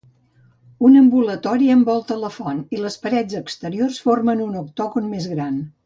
Un ambulatori envolta la font i les parets exteriors formen un octògon més gran.